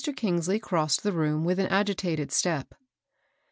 Kingsley crossed the room with an ag itated step.